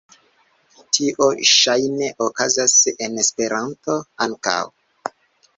Tio ŝajne okazas en Esperanto ankaŭ.